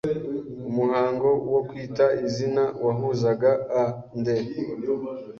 Umuhango wo kwita izina wahuzaga a nde